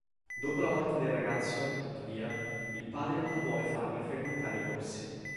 Dopo la morte del ragazzo, tuttavia, il padre non vuole farle frequentare i corsi.